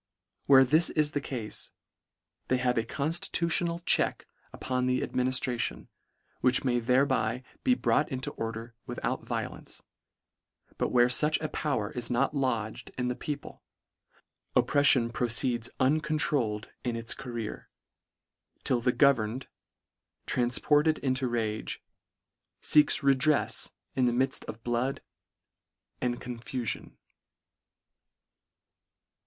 Where this is the cafe, they have a conftitutional check upon the adminiffration, which may thereby be brought into order without violence : but where fuch a power is not lodged in the people, oppreffton proceeds uncontrouled in its career, till the governed, tranfported 88 L ETTE R IX. into rage, feeks redrefs in the midft of blood and confufion.